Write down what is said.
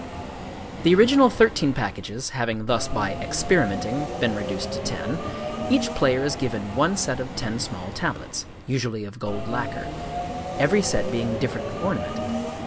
The original thirteen packages having thus by "experimenting" been reduced to ten, each player is given one set of ten small tablets—usually of gold lacquer,—every set being differently ornamented.